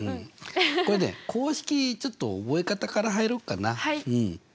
これね公式ちょっと覚え方から入ろうかな。